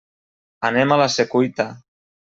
Anem a la Secuita.